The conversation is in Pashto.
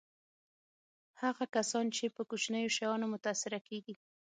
هغه کسان چې په کوچنیو شیانو متأثره کېږي.